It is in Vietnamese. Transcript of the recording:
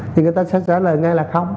thì người ta sẽ trả lời ngay là không